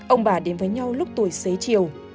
ông bà đến với nhau lúc tuổi xế chiều